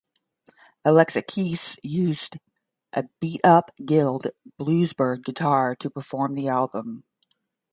Alexakis used a beat-up Guild Bluesbird guitar to perform the album.